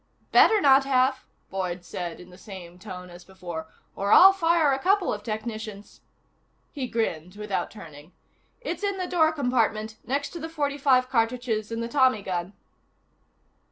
"Better not have," Boyd said in the same tone as before, "or I'll fire a couple of technicians." He grinned without turning. "It's in the door compartment, next to the forty five cartridges and the Tommy gun."